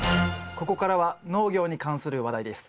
ここからは農業に関する話題です。